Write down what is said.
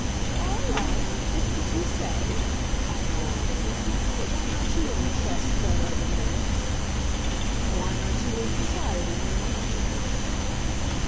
"All right, just as you say," I laughed. "But why aren't you in the Trust, Fred Obermuller?" "Why aren't you in society, Nance?"